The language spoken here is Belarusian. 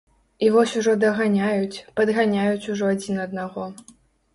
І вось ужо даганяюць, падганяюць ужо адзін аднаго.